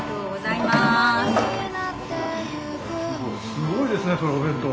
すごいですねそれお弁当。